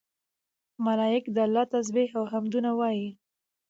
ملائک د الله تسبيح او حمدونه وايي